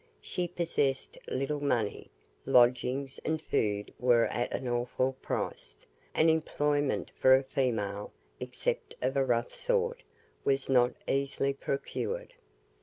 She possessed little money, lodgings and food were at an awful price, and employment for a female, except of a rough sort, was not easily procured.